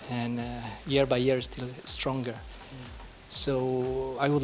dan tahun demi tahun masih lebih kuat